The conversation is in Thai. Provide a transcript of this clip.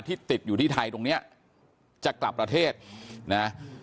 ติดอยู่ที่ไทยตรงเนี้ยจะกลับประเทศนะ